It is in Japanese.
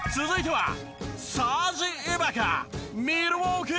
続いては。